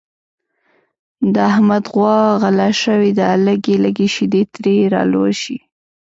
د احمد غوا غله شوې ده لږې لږې شیدې ترې را لوشي.